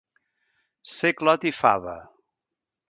Ser clot i fava.